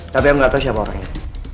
tapi aku gak tahu siapa orangnya